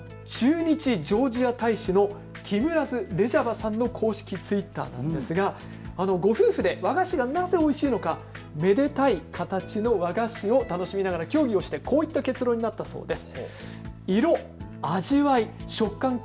なんと駐日ジョージア大使のティムラズ・レジャバさんの公式Ｔｗｉｔｔｅｒなんですがご夫婦で和菓子がなぜおいしいのか、めでたい形の和菓子を楽しみながら協議をしてこういった結論になったそうです。